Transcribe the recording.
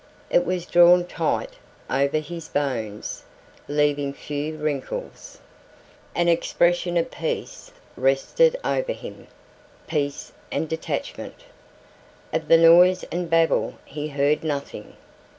It was drawn tight over his bones, leaving few wrinkles. An expression of peace rested over him peace and detachment. Of the noise and babble he heard nothing.